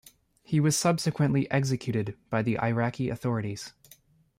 He was subsequently executed by the Iraqi authorities.